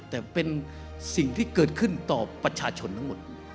แต่เป็นสิ่งที่เกิดขึ้นต่อประชาชนทั้งหมด